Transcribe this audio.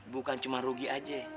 bukan cuma rugi aja